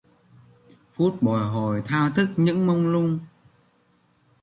Phút bồi hồi thao thức những mông lung